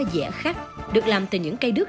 dẻ khắc được làm từ những cây đước